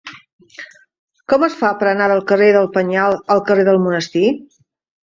Com es fa per anar del carrer del Penyal al carrer del Monestir?